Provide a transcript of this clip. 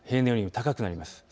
平年よりも高くなります。